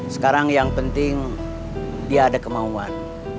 sekarang yang penting dia ada kemauan